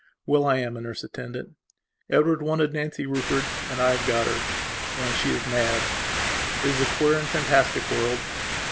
Well, I am a nurse attendant. Edward wanted Nancy Rufford, and I have got her. Only she is mad. It is a queer and fantastic world.